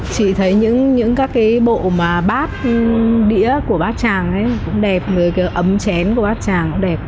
chị thấy những các bộ bát đĩa của bát tràng cũng đẹp ấm chén của bát tràng cũng đẹp